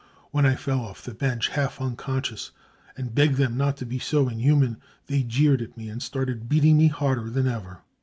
When I fell off the bench half unconscious and begged them not to be so inhuman, they jeered at me and started beating me harder than ever.